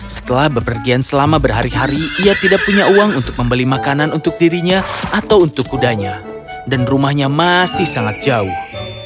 setelah bepergian selama berhari hari ia tidak punya uang untuk membeli makanan untuk dirinya atau untuk kudanya dan rumahnya masih sangat jauh